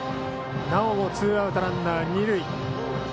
なおもツーアウトランナー、二塁。